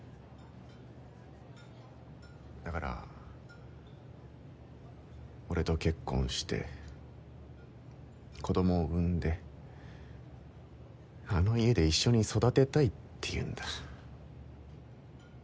だから俺と結婚して子供を産んであの家で一緒に育てたいって言うんだ。